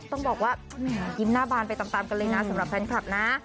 ต้องบอกว่าแหมยิ้มหน้าบานไปตามกันเลยนะสำหรับแฟนคลับนะ